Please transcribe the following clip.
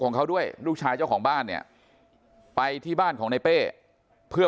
ของเขาด้วยลูกชายเจ้าของบ้านเนี่ยไปที่บ้านของในเป้เพื่อ